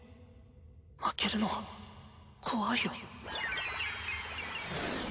負けるのは怖いよ。